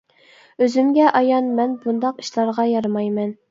ئۆزۈمگە ئايان، مەن بۇنداق ئىشلارغا يارىمايمەن.